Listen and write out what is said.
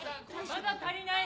まだ足りなーい。